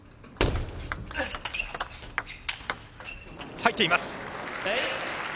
入っています。